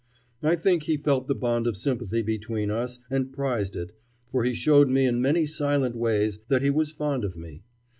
I think he felt the bond of sympathy between us and prized it, for he showed me in many silent ways that he was fond of me.